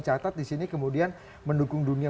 catat disini kemudian mendukung dunia